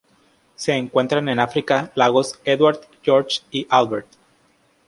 Se encuentran en África: Lagos Edward, George y Albert.